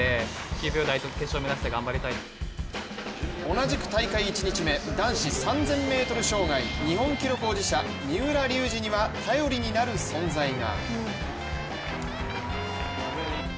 同じく大会１日目、男子３０００ｍ障害日本記録保持者、三浦龍司には頼りになる存在が。